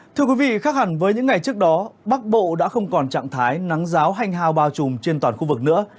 thưa quý vị khác hẳn với những ngày trước đó bắc bộ đã không còn trạng thái nắng giáo hanh hao bao trùm trên toàn khu vực nữa